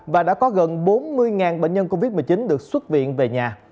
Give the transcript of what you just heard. và đã có gần bốn mươi bệnh nhân covid một mươi chín được xuất viện về nhà